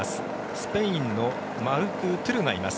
スペインのマルク・トゥルがいます。